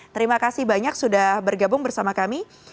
terima kasih banyak sudah bergabung bersama kami